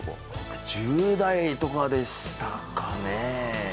１０代とかでしたかね。